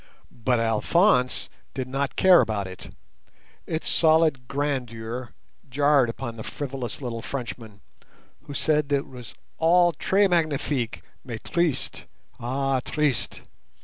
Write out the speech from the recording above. But Alphonse did not care about it. Its solid grandeur jarred upon the frivolous little Frenchman, who said that it was all "tres magnifique, mais triste—ah, triste!"